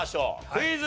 クイズ。